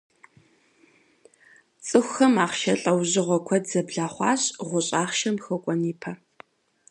Цӏыхухэм «ахъшэ» лӏэужьыгъуэ куэд зэблахъуащ гъущӏ ахъшэм хуэкӏуэн ипэ.